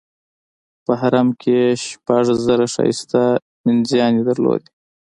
په حرم کې یې شپږ زره ښایسته مینځیاني درلودې.